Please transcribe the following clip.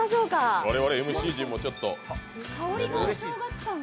我々ＭＣ陣もちょっと。